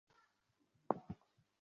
জলমানবকে কেউ ভালোবাসে না।